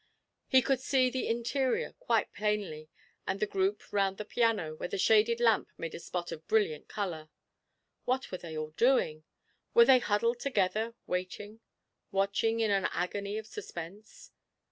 He could see the interior quite plainly, and the group round the piano where the shaded lamp made a spot of brilliant colour. What were they all doing? Were they huddled together, waiting, watching in an agony of suspense?